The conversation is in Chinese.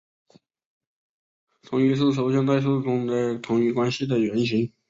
同余是抽象代数中的同余关系的原型。